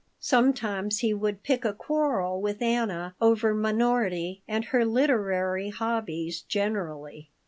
Sometimes he would pick a quarrel with Anna over Minority and her literary hobbies generally.